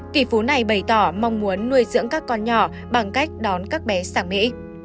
tỷ phú này bày tỏ mong muốn nuôi dưỡng các con nhỏ bằng cách đón các bé sang mỹ